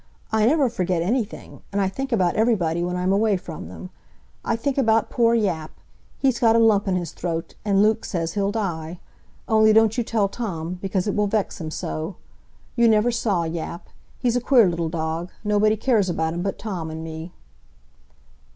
"I never forget anything, and I think about everybody when I'm away from them. I think about poor Yap; he's got a lump in his throat, and Luke says he'll die. Only don't you tell Tom. because it will vex him so. You never saw Yap; he's a queer little dog,—nobody cares about him but Tom and me."